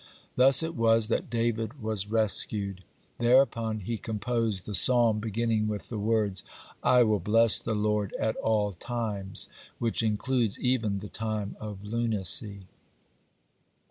Thus it was that David was rescued. Thereupon he composed the Psalm beginning with the words, "I will bless the Lord at all times," which includes even the time of lunacy.